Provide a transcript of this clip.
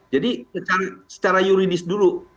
jadi secara yuridis dulu